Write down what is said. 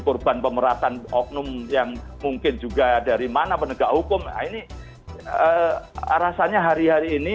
korban pemerasan oknum yang mungkin juga dari mana penegak hukum nah ini rasanya hari hari ini